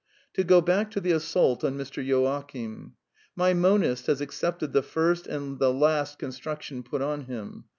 To go back to the assault on Mr. Joachim. My monist has accepted the first and the last construction put on him.